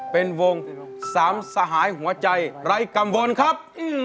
เป็นวงสามสหายหัวใจไร้กังวลครับ